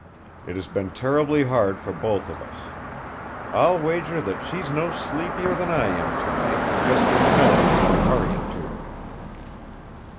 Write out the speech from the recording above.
It has been terribly hard for both of us. I'll wager that she's no sleepier than I am to night, just from knowing that I'm hurrying to her."